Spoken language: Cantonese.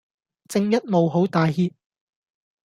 正一無好帶挈